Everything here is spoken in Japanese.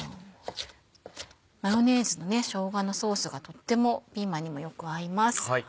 マヨネーズとしょうがのソースがとってもピーマンにもよく合います。